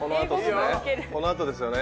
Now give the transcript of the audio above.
このあとですね